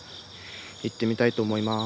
行ってみたいと思います。